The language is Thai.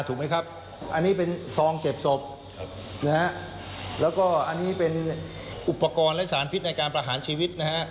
ถูกไหมครับอันนี้เป็นซองเก็บศพนะฮะแล้วก็อันนี้เป็นอุปกรณ์และสารพิษในการประหารชีวิตนะฮะ